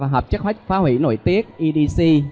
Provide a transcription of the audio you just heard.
hợp chất phá hủy nội tiết edc